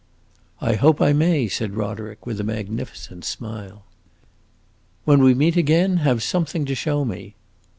"I hope I may!" said Roderick with a magnificent smile. "When we meet again, have something to show me."